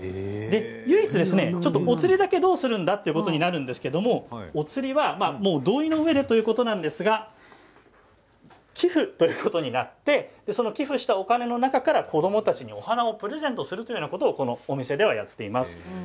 唯一おつりだけはどうするんだということになるんですけどもお釣りは同意のうえでということなんですが寄付ということになって寄付したお金の中から子どもたちにお花をプレゼントすることをこのお店ではやっています。